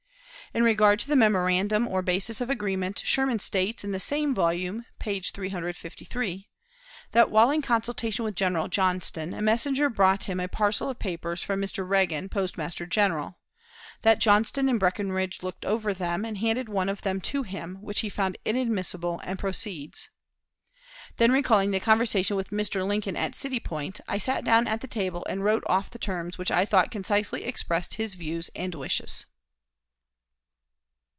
In regard to the memorandum or basis of agreement, Sherman states, in the same volume, page 353, that, while in consultation with General Johnston, a messenger brought him a parcel of papers from Mr. Reagan, Postmaster General; that Johnston and Breckinridge looked over them, and handed one of them to him, which he found inadmissible, and proceeds: "Then, recalling the conversation with Mr. Lincoln at City Point, I sat down at the table and wrote off the terms which I thought concisely expressed his views and wishes."